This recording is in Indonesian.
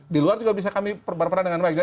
di luar juga bisa kami berperan dengan wajah